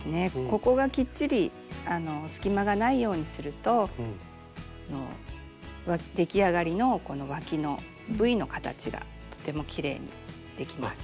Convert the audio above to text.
ここがきっちり隙間がないようにすると出来上がりのこのわきのＶの形がとてもきれいにできます。